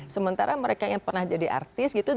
sementara mereka yang pernah jadi artis gitu